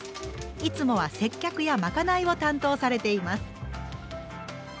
いつもは接客やまかないを担当されています。